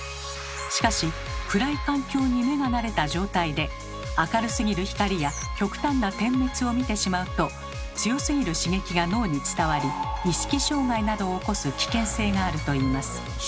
しかし暗い環境に目が慣れた状態で明るすぎる光や極端な点滅を見てしまうと強すぎる刺激が脳に伝わり意識障害などを起こす危険性があるといいます。